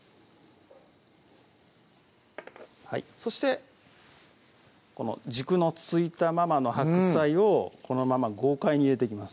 そしてこの軸の付いたままの白菜をこのまま豪快に入れていきます